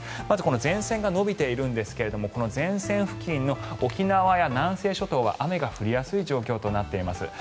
まず前線が延びているんですがこの前線付近の沖縄や南西諸島は雨が降りやすい状況となっています。